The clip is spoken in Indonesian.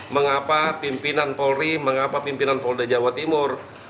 mengapa pimpinan polri mengapa pimpinan polda jawa timur